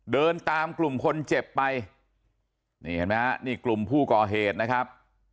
เดินตามกลุ่มคนเจ็บไปนี่เห็นไหมฮะนี่กลุ่มผู้ก่อเหตุนะครับ